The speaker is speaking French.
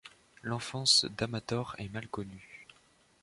L'enfance d'Amatore est mal connue.